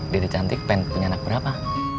dadah cantik pengen punya anak berapa